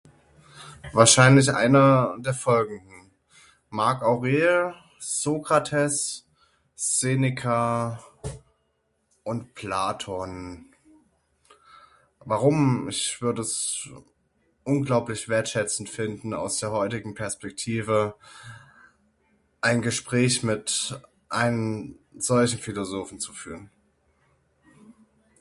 Wahrscheinlich einer der folgenden: Marc Aurel, Sokrates, Seneca und Platon, warum? Ich würd es unglaublich wertschätzend finden aus der heutigen Perspektive ein Gespräch mit einem solchen Philosophen zu führen.